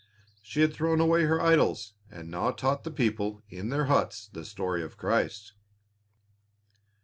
She had thrown away her idols and now taught the people in their huts the story of Christ.